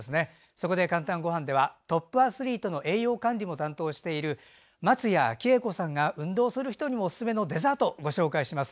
そこで「かんたんごはん」ではトップアスリートの栄養管理も担当している松谷紀枝子さんが運動する人にもおすすめのデザートをご紹介します。